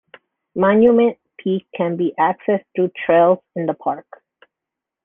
Monument Peak can be accessed through trails in the park.